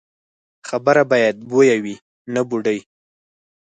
خبره باید بویه وي، نه بوډۍ.